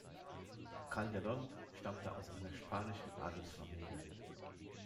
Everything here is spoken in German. Calderón stammte aus einer spanischen Adelsfamilie.